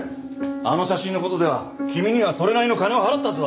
あの写真の事では君にはそれなりの金は払ったはずだ。